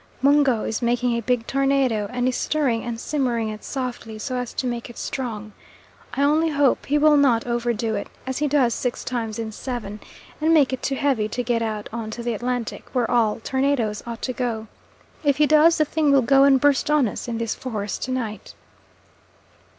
Mungo is making a big tornado, and is stirring and simmering it softly so as to make it strong. I only hope he will not overdo it, as he does six times in seven, and make it too heavy to get out on to the Atlantic, where all tornadoes ought to go. If he does the thing will go and burst on us in this forest to night.